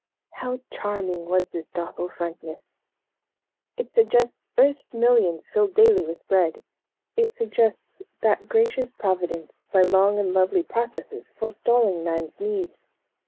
How charming was this docile frankness! "It suggests earth's millions filled daily with bread. It suggests that gracious Providence, by long and lovely processes, forestalling man's needs.